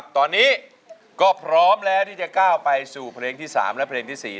ตอนนี้ก็พร้อมแล้วที่จะก้าวไปสู่เพลงที่๓และเพลงที่๔